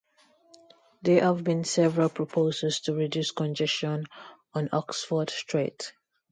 There have been several proposals to reduce congestion on Oxford Street.